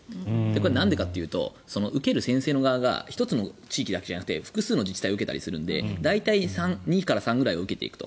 なんでかというと受ける先生側が１つの地域だけじゃなくて複数の自治体を受けたりするので大体２から３ぐらい受けていくと。